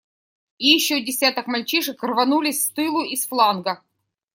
И еще десяток мальчишек рванулись с тылу и с фланга.